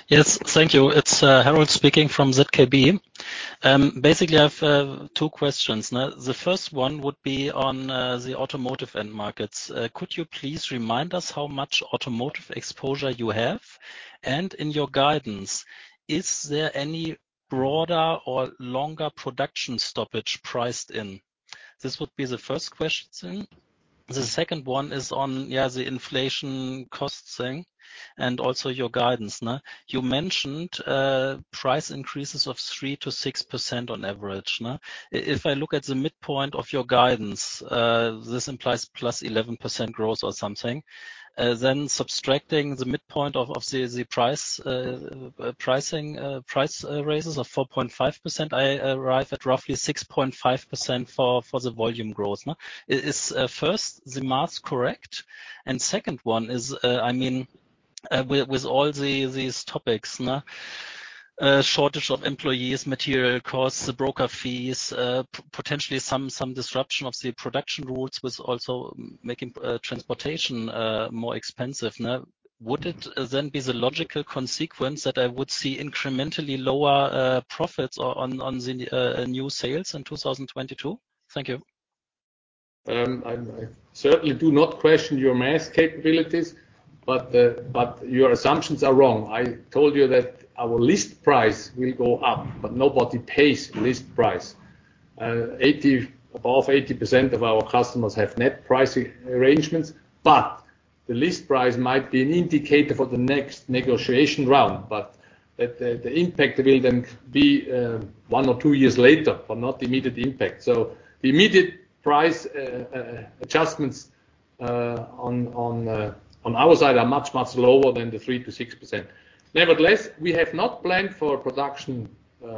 S6: Yes. Thank you. It's Harold speaking from ZKB. Basically, I've two questions. Now, the first one would be on the automotive end markets. Could you please remind us how much automotive exposure you have? And in your guidance, is there any broader or longer production stoppage priced in? This would be the first question. The second one is on the inflation cost thing and also your guidance. You mentioned price increases of 3%-6% on average. If I look at the midpoint of your guidance, this implies +11% growth or something. Then subtracting the midpoint of the price raises of 4.5%, I arrive at roughly 6.5% for the volume growth. Is the math correct? Second one is, I mean, with all these topics, shortage of employees, material costs, the broker fees, potentially some disruption of the production routes was also making transportation more expensive. Would it then be the logical consequence that I would see incrementally lower profits on the new sales in 2022? Thank you.
S2: I certainly do not question your math capabilities, but your assumptions are wrong. I told you that our list price will go up, but nobody pays list price. Above 80% of our customers have net pricing arrangements, but the list price might be an indicator for the next negotiation round, but the impact will then be one or two years later, but not immediate impact. The immediate price adjustments on our side are much lower than the 3%-6%. Nevertheless, we have not planned for a production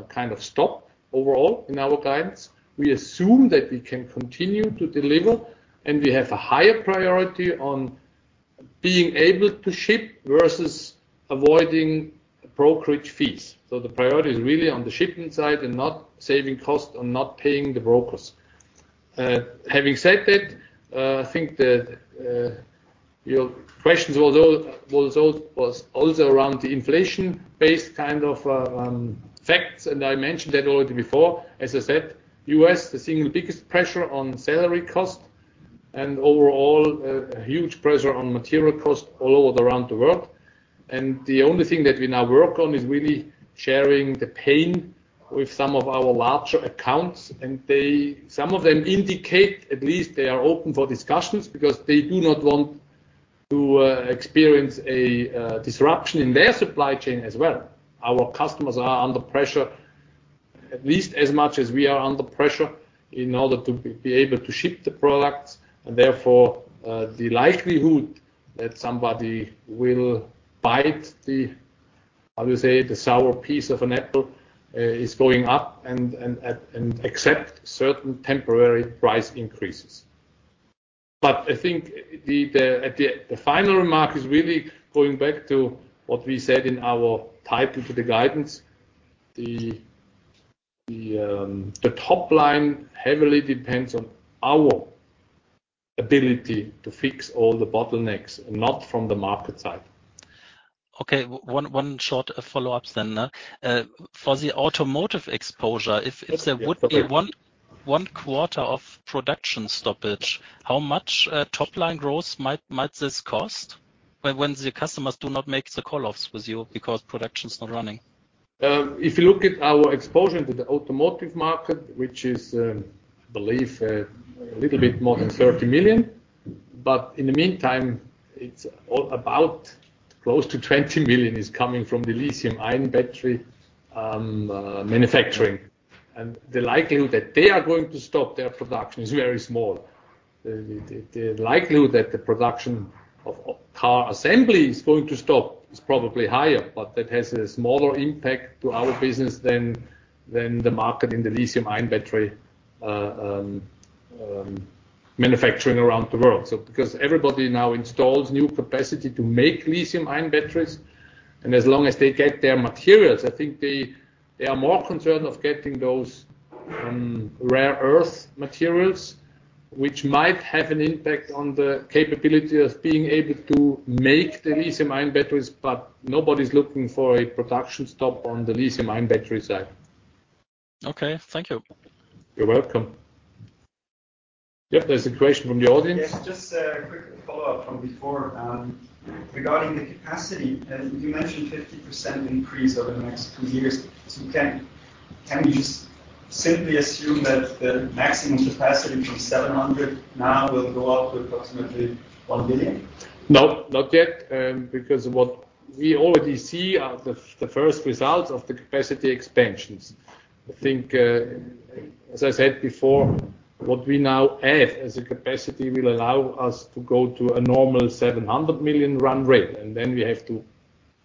S2: kind of stop overall in our guidance. We assume that we can continue to deliver, and we have a higher priority on being able to ship versus avoiding brokerage fees. The priority is really on the shipping side and not saving costs on not paying the brokers. Having said that, I think that your questions although was also around the inflation-based kind of facts, and I mentioned that already before. As I said, U.S., the single biggest pressure on salary cost and overall, huge pressure on material cost all over around the world. The only thing that we now work on is really sharing the pain with some of our larger accounts. Some of them indicate at least they are open for discussions because they do not want to experience a disruption in their supply chain as well. Our customers are under pressure at least as much as we are under pressure in order to be able to ship the products. Therefore, the likelihood that somebody will bite the, how you say, the sour piece of an apple, is going up and accept certain temporary price increases. I think the final remark is really going back to what we said in our tie-in to the guidance. The top line heavily depends on our ability to fix all the bottlenecks, not from the market side.
S6: Okay. One short follow-up then, nah. For the automotive exposure, if there would-
S2: Yes. Okay.
S6: One quarter of production stoppage, how much top line growth might this cost when the customers do not make the call offs with you because production's not running?
S2: If you look at our exposure to the automotive market, which is, I believe, a little bit more than 30 million, but in the meantime it's all about close to 20 million is coming from the lithium-ion battery manufacturing. The likelihood that they are going to stop their production is very small. The likelihood that the production of car assembly is going to stop is probably higher, but that has a smaller impact to our business than the market in the lithium-ion battery manufacturing around the world. Because everybody now installs new capacity to make lithium-ion batteries, and as long as they get their materials, I think they are more concerned of getting those, rare earth materials, which might have an impact on the capability of being able to make the lithium-ion batteries, but nobody's looking for a production stop on the lithium-ion battery side.
S6: Okay, thank you.
S2: You're welcome. Yep, there's a question from the audience.
S3: Yes, just a quick follow-up from before, regarding the capacity. You mentioned 50% increase over the next two years. Can we just simply assume that the maximum capacity from 700 now will go up to approximately 1 billion?
S2: No, not yet. Because what we already see are the first results of the capacity expansions. I think, as I said before, what we now have as a capacity will allow us to go to a normal $700 million run rate, and then we have to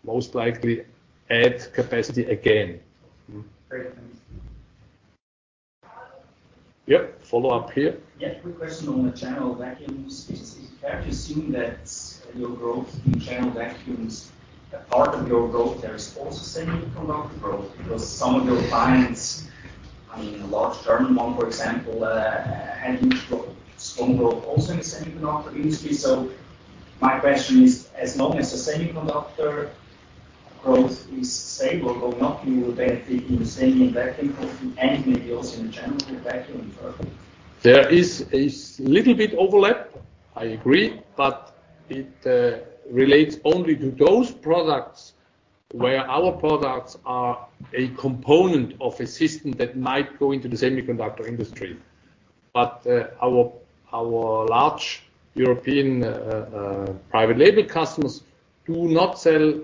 S2: most likely add capacity again.
S3: Great. Thank you.
S2: Yep. Follow up here.
S3: Yeah. Quick question on the general vacuums. Can we assume that your growth in general vacuums, a part of your growth there is also semiconductor growth? Because some of your clients, I mean, a large German one for example, had strong growth also in the semiconductor industry. My question is, as long as the semiconductor growth is stable or not, you will benefit in the same vacuum growth and maybe also in the general vacuum growth.
S2: There is little bit overlap, I agree, but it relates only to those products where our products are a component of a system that might go into the semiconductor industry. Our large European private label customers do not sell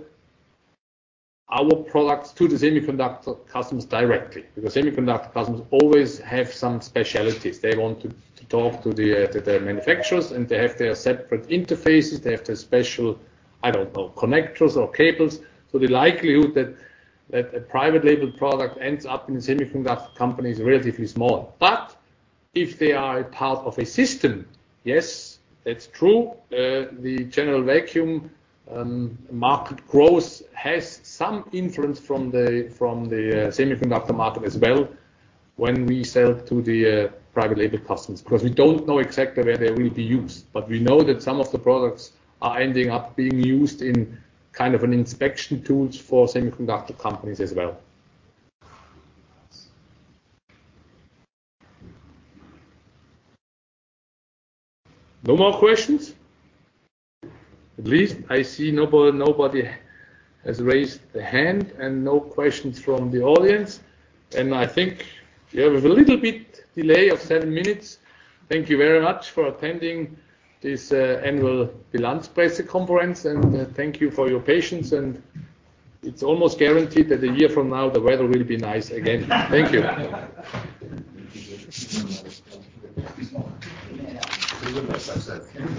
S2: our products to the semiconductor customers directly, because semiconductor customers always have some specialties. They want to talk to their manufacturers, and they have their separate interfaces. They have their special, I don't know, connectors or cables. The likelihood that a private label product ends up in the semiconductor company is relatively small. If they are a part of a system, yes, that's true. The general vacuum market growth has some influence from the semiconductor market as well when we sell to the private label customers. Because we don't know exactly where they will be used, but we know that some of the products are ending up being used in kind of an inspection tools for semiconductor companies as well. No more questions? At least I see nobody has raised their hand and no questions from the audience. I think we have a little bit of a delay of seven minutes. Thank you very much for attending this annual Bilanzpressekonferenz, and thank you for your patience. It's almost guaranteed that a year from now, the weather will be nice again. Thank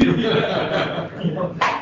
S2: you.